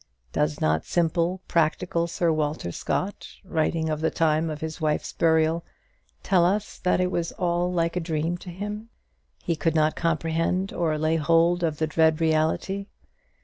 Does not simple, practical Sir Walter Scott, writing of the time of his wife's burial, tell us that it was all like a dream to him; he could not comprehend or lay hold of the dread reality?